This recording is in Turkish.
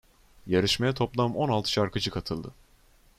Yarışmaya toplam on altı şarkıcı katıldı.